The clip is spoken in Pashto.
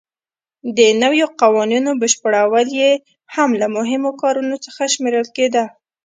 د نویو قوانینو بشپړول یې هم له مهمو کارونو څخه شمېرل کېده.